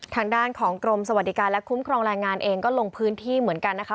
ทางด้านของกรมสวัสดิการและคุ้มครองแรงงานเองก็ลงพื้นที่เหมือนกันนะคะ